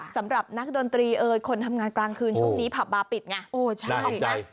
สำหรับนักดนตรีเอ่ยคนทำงานกลางคืนช่วงนี้ผับบาร์ปิดไงออกไหม